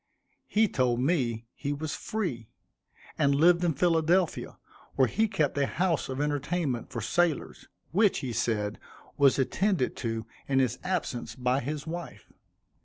He told me he was free, and lived in Philadelphia, where he kept a house of entertainment for sailors, which, he said, was attended to in his absence by his wife.